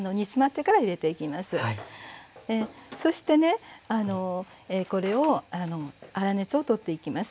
そしてねこれを粗熱を取っていきます。